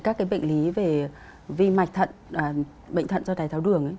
các cái bệnh lý về vi mạch thận bệnh thận do thái tháo đường